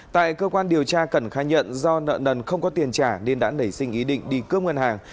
tại cơ quan điều tra cẩn khai nhận do nợ nần không có tiền trả nên đã nảy sinh ý định đi cướp ngân hàng